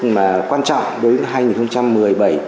mà quan trọng đối với